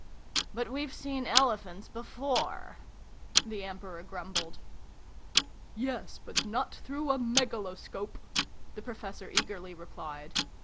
" But we've seen Elephants before," the Emperor grumbled. " Yes, but not through a Megaloscope !" the Professor eagerly replied.